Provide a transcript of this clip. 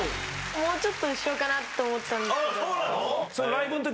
もうちょっと後ろかなと思ってたんですけど。